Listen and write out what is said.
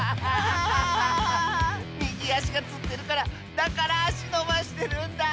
みぎあしがつってるからだからあしのばしてるんだ！